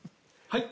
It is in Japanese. はい？